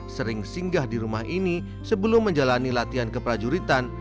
sering singgah di rumah ini sebelum menjalani latihan keprajuritan